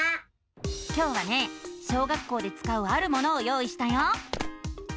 今日はね小学校でつかうあるものを用意したよ！